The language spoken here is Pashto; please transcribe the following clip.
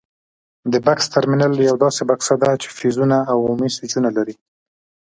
د بکس ترمینل یوه داسې بکس ده چې فیوزونه او عمومي سویچونه لري.